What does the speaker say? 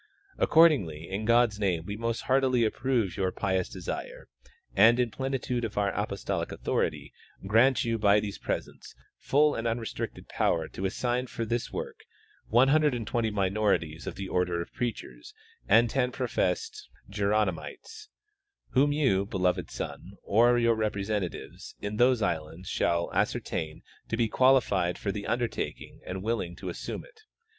Accordingly in God's name we most heartily approve your pious desire and in the pleni tude of our apostolic authority' grant you by these presents full and unrestricted power to assign for this work 120 minorites of the order of Preachers and 10 professed Jeronymites, whom you, beloved son, or your representatives in those islands shall ascer tain to be qualified for the undertaking and willing to assume it.